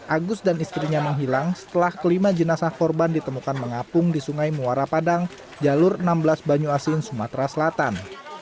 agus dan istrinya menghilang setelah kelima jenazah korban ditemukan mengapung di sungai muara padang jalur enam belas banyu asin sumatera selatan